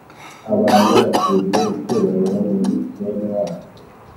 abantu bakwiriye icyubahiro muri bene wacu.